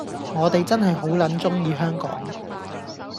我哋真係好撚鍾意香港